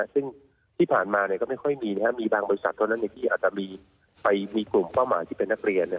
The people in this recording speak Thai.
ซึ่งที่ผ่านมาก็ไม่ค่อยมีมีบางบริษัทเท่านั้นที่อาจจะมีกลุ่มเป้าหมายที่เป็นนักเรียน